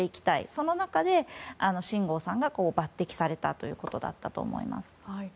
その中で、シン・ゴウさんが抜擢されたということだったと思います。